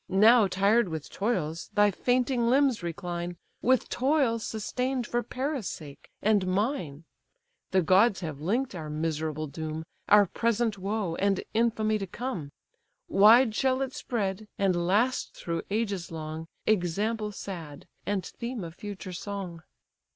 Now tired with toils, thy fainting limbs recline, With toils, sustain'd for Paris' sake and mine The gods have link'd our miserable doom, Our present woe, and infamy to come: Wide shall it spread, and last through ages long, Example sad! and theme of future song."